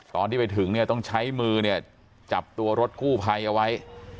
ตอนที่ไปถึงเนี่ยต้องใช้มือเนี่ยจับตัวรถกู้ภัยเอาไว้